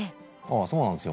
そうなんですよ